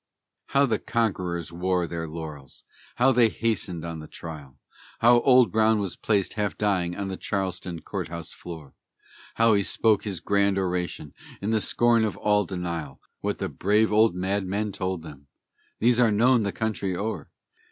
How the conquerors wore their laurels; how they hastened on the trial; How Old Brown was placed, half dying, on the Charlestown court house floor; How he spoke his grand oration, in the scorn of all denial; What the brave old madman told them, these are known the country o'er.